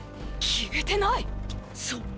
⁉消えてない⁉そう！